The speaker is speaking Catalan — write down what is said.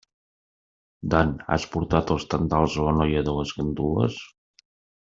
Dan, has portat els tendals a la noia de les gandules?